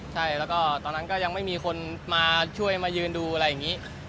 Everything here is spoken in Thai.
ใช่แล้วก็ตอนนั้นก็ยังไม่มีคนมาช่วยมายืนดูอะไรอย่างนี้